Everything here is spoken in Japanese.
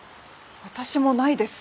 私もないです。